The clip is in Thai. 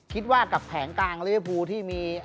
คิดว่ากับแผงกลางลื้อภูที่มี